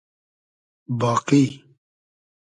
باقی